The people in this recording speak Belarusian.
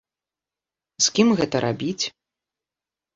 З кім гэта рабіць?